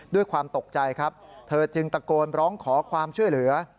ด้วยความตกใจครับเธอจึงตะโกนร้องขอความช่วยเหลือ